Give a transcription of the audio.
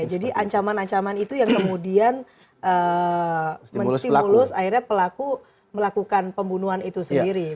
ancaman ancaman itu yang kemudian menstimulus akhirnya pelaku melakukan pembunuhan itu sendiri